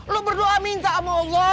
lo berdoa minta sama allah